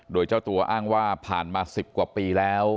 โดยเจ้าตัวอ้างว่าผ่านมา๑๐กว่าปีแล้ว